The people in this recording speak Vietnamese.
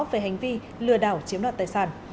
về hành vi lừa đảo chiếm đoạt tài sản